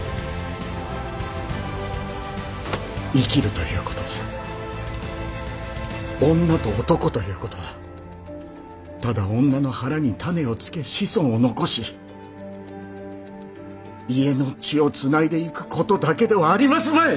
生きるということは女と男ということはただ女の腹に種をつけ子孫を残し家の血をつないでいくことだけではありますまい！